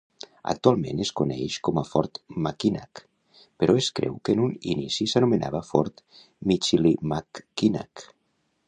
Actualment es coneix com a Fort Mackinac, però es creu que en un inici s'anomenava Fort Michilimackinac.